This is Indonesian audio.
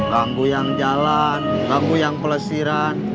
banggu yang jalan banggu yang pelesiran